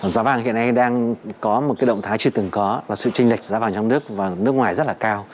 giá vàng hiện nay đang có một cái động thái chưa từng có và sự tranh lệch giá vàng trong nước và nước ngoài rất là cao